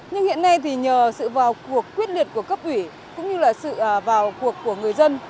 nhưng hiện nay thì nhờ sự vào cuộc quyết liệt của cấp ủy cũng như là sự vào cuộc của người dân